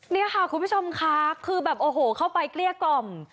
นี่ค่ะคุณผู้ชมค่ะคือแบบโอ้โหเข้าไปเกลี้ยกล่อม